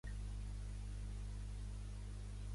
Igualment, l'illa de Delos sembla que va tenir diversos fars.